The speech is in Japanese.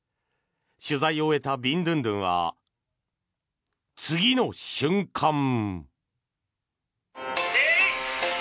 取材を終えたビンドゥンドゥンは次の瞬間。